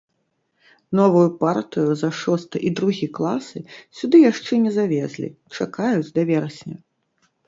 Новую партыю за шосты і другі класы сюды яшчэ не завезлі, чакаюць да верасня.